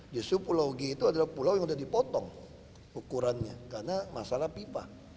justru pulau g itu adalah pulau yang sudah dipotong ukurannya karena masalah pipa